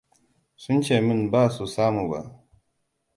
Sun ce min ba su samu ba.